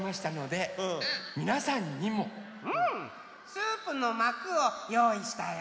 スープのまくをよういしたよ。